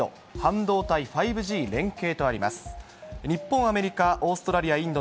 日本、アメリカ、オーストラリア、インド。